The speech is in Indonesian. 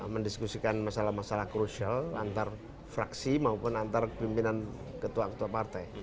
mendiskusikan masalah masalah krusial antar fraksi maupun antar pimpinan ketua ketua partai